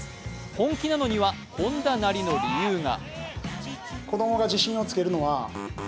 本気なのには本田なりの理由が。